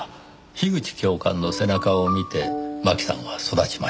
樋口教官の背中を見て真紀さんは育ちました。